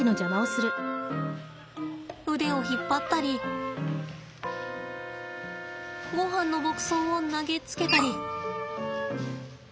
腕を引っ張ったりごはんの牧草を投げつけたり。